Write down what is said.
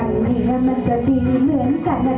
หยุดมีท่าหยุดมีท่า